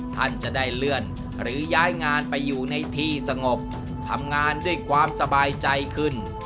ท่านจะได้เลื่อนหรือย้ายงานไปอยู่ในที่สงบทำงานด้วยความสบายใจขึ้น